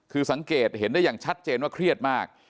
คือสังเกตเห็นได้อย่างชัดเจนว่าเครียดมาก